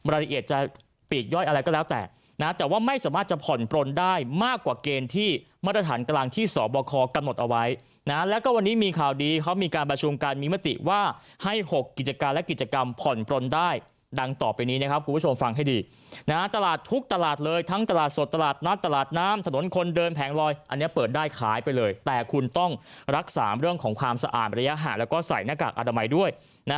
รายละเอียดจะปีกย่อยอะไรก็แล้วแต่นะแต่ว่าไม่สามารถจะผ่อนปลนได้มากกว่าเกณฑ์ที่มาตรฐานกลางที่สวบคอกำหนดเอาไว้นะแล้วก็วันนี้มีข่าวดีเขามีการประชุมกันมิมติว่าให้๖กิจการและกิจกรรมผ่อนปลนได้ดังต่อไปนี้นะครับคุณผู้ชมฟังให้ดีนะตลาดทุกตลาดเลยทั้งตลาดสดตลาดนัดตลาดน้ำถนนคนเดินแผงลอย